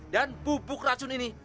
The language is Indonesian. dan pupuk racun ini